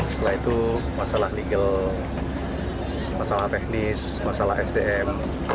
setelah itu masalah legal masalah teknis masalah sdm